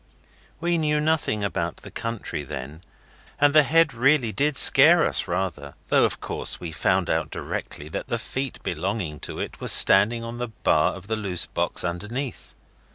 We knew nothing about the country then, and the head really did scare us rather, though, of course, we found out directly that the feet belonging to it were standing on the bar of the loose box underneath.